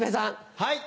はい。